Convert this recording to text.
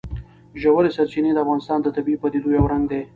ژورې سرچینې د افغانستان د طبیعي پدیدو یو رنګ دی.